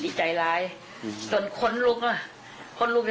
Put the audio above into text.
ดีใจจะจนคนนุกเมื่อก่อนแล้วครับ